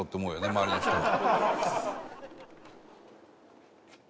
周りの人は」